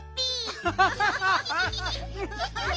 アハハハハ！